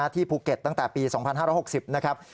ที่ภูเก็ตตั้งแต่ปี๒๕๖๐นะครับ